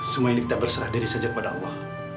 semua ini kita berserah diri saja kepada allah